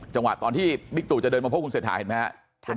จังหวะตอนที่บิ๊กตุจะเดินมาพบคุณเศรษฐาเห็นไหมครับ